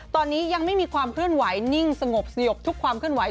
ตอนนี้ยังไม่มีความเคลื่อนไหวนิ่งสงบสยบทุกความเคลื่อนไ